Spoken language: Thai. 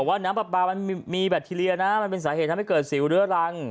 น้ำปลาปลามันมีแบคทีเรียนะมันเป็นสาเหตุทำให้เกิดสิวเรื้อรัง